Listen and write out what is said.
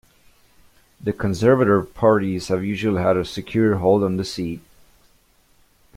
The conservative parties have usually had a secure hold on the seat.